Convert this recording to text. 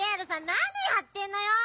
なにやってんのよ！